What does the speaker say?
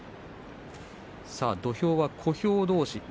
土俵は小兵どうしです。